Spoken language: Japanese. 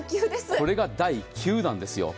これが第９弾ですよ。